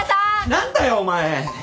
何だよお前！